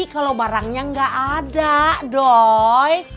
kalau barangnya gak ada doi